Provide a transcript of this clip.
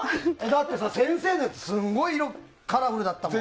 だってさ、先生のすごいカラフルだったもん。